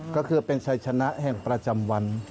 ก็คือเป็นชัยชนะแห่งพระพุทธทรูปเก้าสี